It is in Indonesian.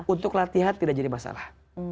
untuk latihan tidak jadi masalah